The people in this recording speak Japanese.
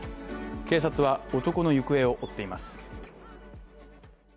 警察は男の行方を追っています。